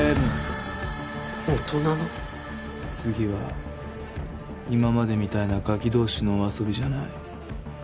次は今までみたいなガキ同士のお遊びじゃない。